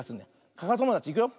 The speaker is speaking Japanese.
かかともだちいくよ。